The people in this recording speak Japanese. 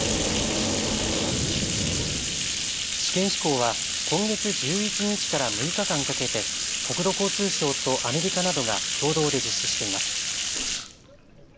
試験飛行は今月１１日から６日間かけて国土交通省とアメリカなどが共同で実施しています。